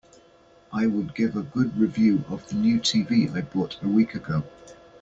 I would give a good review of the new TV I bought a week ago.